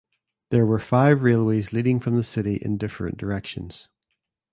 There were five railways leading from the city in different directions.